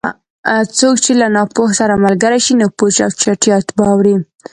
څوک چې له ناپوه سره ملګری شي؛ نو پوچ او چټیات به اوري.